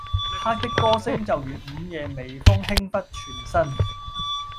他的歌聲就如午夜微風輕拂全身